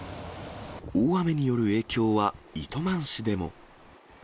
大雨による影響は、糸満市でも。